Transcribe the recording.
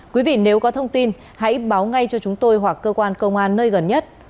quý vị nếu có thông tin hãy báo ngay cho chúng tôi hoặc cơ quan công an nơi gần nhất